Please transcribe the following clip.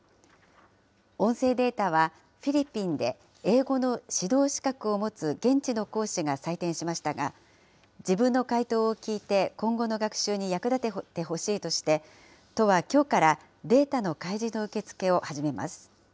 音声データは、フィリピンで英語の指導資格を持つ現地の講師が採点しましたが、自分の解答を聞いて、今後の学習に役立ててほしいとして、都はきょうからデータの開示の受け付けを始めます。